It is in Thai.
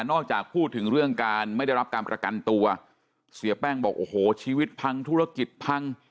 จากพูดถึงเรื่องการไม่ได้รับการประกันตัวเสียแป้งบอกโอ้โหชีวิตพังธุรกิจพัง